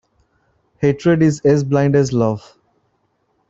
Hatred is as blind as love.